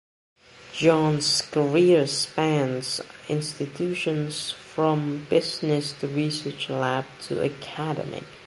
Jones’s career spans institutions from business to research lab to academic.